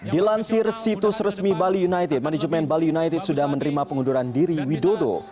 dilansir situs resmi bali united manajemen bali united sudah menerima pengunduran diri widodo